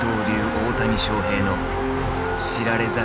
大谷翔平の知られざる物語。